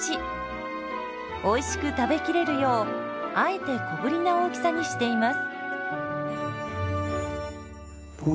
おいしく食べきれるようあえて小ぶりな大きさにしています。